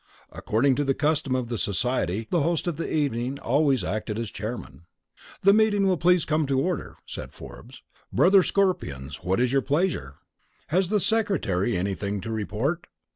According to the custom of the society the host of the evening always acted as chairman. "The meeting will please come to order," said Forbes. "Brother Scorpions, what is your pleasure? Has the secretary anything to report?"